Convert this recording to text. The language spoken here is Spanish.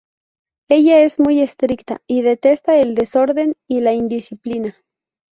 Ella es muy estricta y detesta el desorden y la indisciplina.